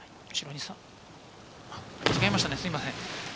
違いましたね、すみません。